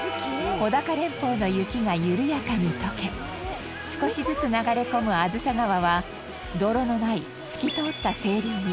穂高連峰の雪が緩やかに解け少しずつ流れ込む梓川は泥のない透き通った清流に。